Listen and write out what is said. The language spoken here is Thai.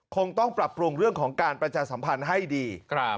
คงต้องปรับปรุงเรื่องของการประชาสัมพันธ์ให้ดี